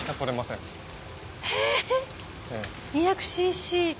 ２００ｃｃって。